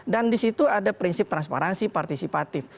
dan di situ ada prinsip transparansi partisipatif